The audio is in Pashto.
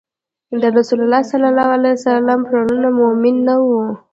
د رسول الله ﷺ پلرونه مؤمن نه وو